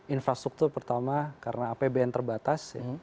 infrastruktur pertama karena apbn terbatas